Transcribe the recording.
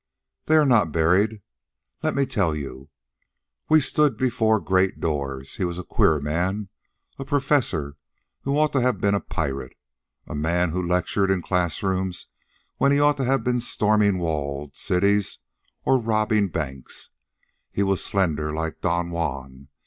They are not buried. Let me tell you. We stood before great doors. He was a queer man, a professor who ought to have been a pirate, a man who lectured in class rooms when he ought to have been storming walled cities or robbing banks. He was slender, like Don Juan.